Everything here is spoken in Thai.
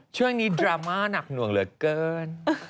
ช่วงนี้ดราม่าหนักหน่วงเหลือเกิน